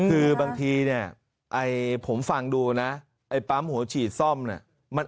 คือบางทีเนี่ยไอ้ผมฟังดูนะไอ้ปั๊มหัวฉีดซ่อมเนี่ย